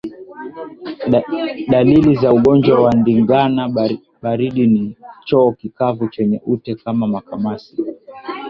Dalili za ugonjwa wa ndigana baridi ni choo kikavu chenye ute kama makamasi